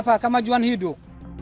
apa kemajuan hidup